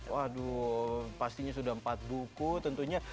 waduh pastinya sudah empat buku tentunya